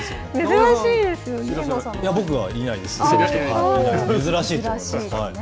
珍しいですよね。